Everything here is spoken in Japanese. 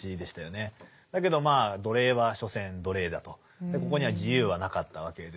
だけど奴隷は所詮奴隷だとここには自由はなかったわけです。